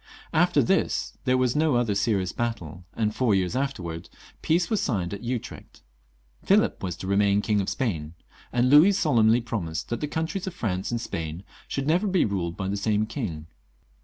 After tjiis there was no other serious battle, and four years afterwards peace was* signed at Utrecht. Philip was to remain King of Spain, and Louis solemnly promised that the countrie;3 of France and Spain should never be ruled by the same king.